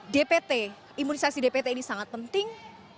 dpt imunisasi dpt ini sangat penting